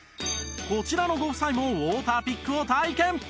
こちらのご夫妻もウォーターピックを体験